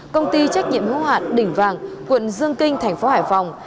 công ty trách nhiệm hữu hạn đỉnh vàng quận dương kinh tp hải phòng